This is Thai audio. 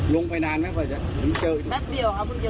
ลงไปนานมั้ย